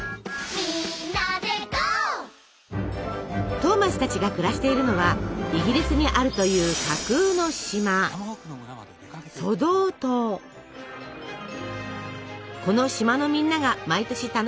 トーマスたちが暮らしているのはイギリスにあるという架空の島この島のみんなが毎年楽しみにしていること。